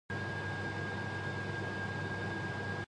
When he died he was the oldest serving officer in the army.